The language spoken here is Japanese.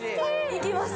いきます